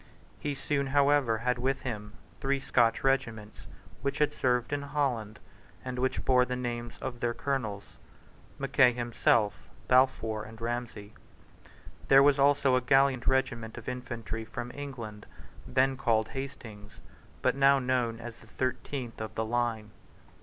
He soon, however, had with him the three Scotch regiments which had served in Holland, and which bore the names of their Colonels, Mackay himself, Balfour, and Ramsay. There was also a gallant regiment of infantry from England, then called Hastings's, but now known as the thirteenth of the line.